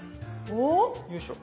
よいしょ。